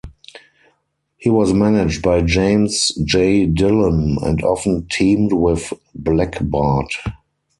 He was managed by James J. Dillon and often teamed with Black Bart.